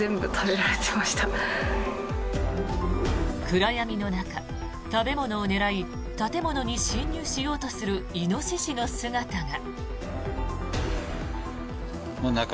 暗闇の中、食べ物を狙い建物に侵入しようとするイノシシの姿が。